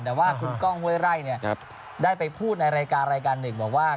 แต่ว่าคุณกล้องห้วยไร่เนี่ยได้ไปพูดในรายการ๑บอกว่า